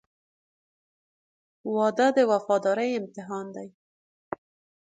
• واده د وفادارۍ امتحان دی.